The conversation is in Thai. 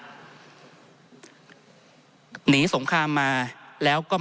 ท่านประธานครับนี่คือสิ่งที่สุดท้ายของท่านครับ